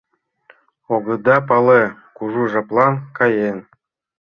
— Огыда пале: кужу жаплан каен?